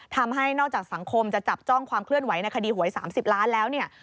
ทำให้นอกจากสังคมจะจับจ้องความเคลื่อนไหวในคดีหวย๓๐ล้านแล้วเนี่ย